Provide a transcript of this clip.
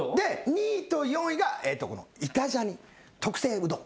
２位と４位が『イタ×ジャニ』特製うどん。